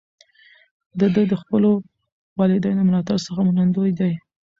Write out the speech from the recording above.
ده د خپلو والدینو د ملاتړ څخه منندوی دی.